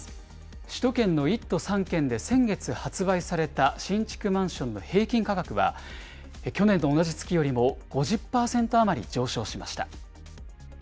首都圏の１都３県で先月発売された新築マンションの平均価格は、去年の同じ月よりも５０％余り上昇しました。